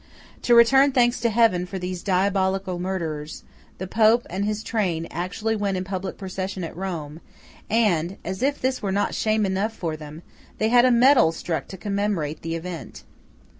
To return thanks to Heaven for these diabolical murders, the Pope and his train actually went in public procession at Rome, and as if this were not shame enough for them, they had a medal struck to commemorate the event.